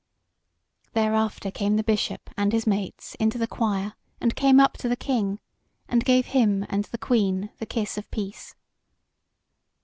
Thereafter came the bishop and his mates into the choir, and came up to the King, and gave him and the Queen the kiss of peace.